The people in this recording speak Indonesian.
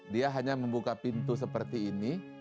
dia hanya membuka pintu seperti ini